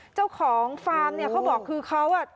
เจ้าของฟาร์มเนี่ยเขาบอกคือเขาอ่ะ